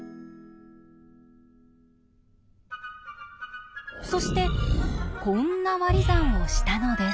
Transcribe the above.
そしてこんな割り算をしたのです。